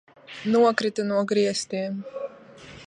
Nokrita no griestiem!